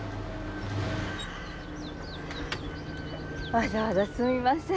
わざわざすみません。